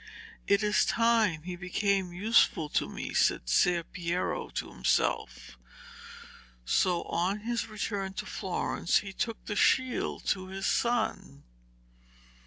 It is time he became useful to me,' said Ser Piero to himself. So on his return to Florence he took the shield to his son.